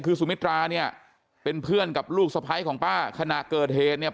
คือสุมิตราเนี่ยเป็นเพื่อนกับลูกสะพ้ายของป้าขณะเกิดเหตุเนี่ย